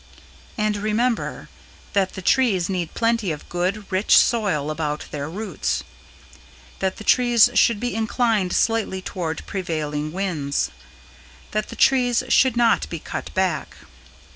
AND REMEMBER: That the trees need plenty of good, rich soil about their roots. That the trees should be inclined slightly toward prevailing winds. That the trees should not be cut back.